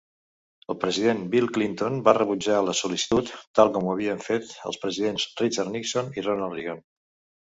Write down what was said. El president Bill Clinton va rebutjar la sol·licitud, tal com ho havien fet els presidents Richard Nixon i Ronald Reagan.